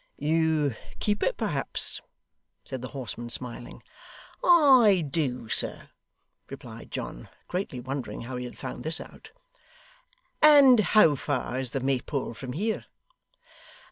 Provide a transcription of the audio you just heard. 'You keep it, perhaps?' said the horseman, smiling. 'I do, sir,' replied John, greatly wondering how he had found this out. 'And how far is the Maypole from here?